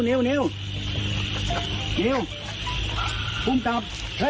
นิ้วนิ้วพุ่มจับ